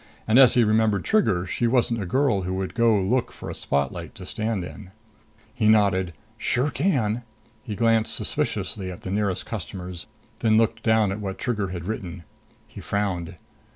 And as he remembered Trigger, she wasn't a girl who'd go look for a spotlight to stand in. He nodded. "Sure can!" He glanced suspiciously at the nearest customers, then looked down at what Trigger had written. He frowned.